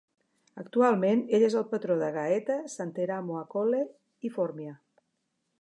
Actualment ell es el patró de Gaeta, Santeramo a Colle i Formia.